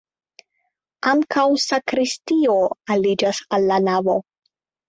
Ankaŭ sakristio aliĝas al la navo.